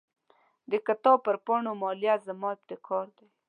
د کتاب پر پاڼو مالیه زما ابتکار دی.